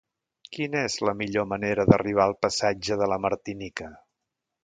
Quina és la millor manera d'arribar al passatge de la Martinica?